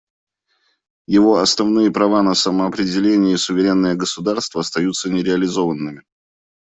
Его основные права на самоопределение и суверенное государство остаются нереализованными.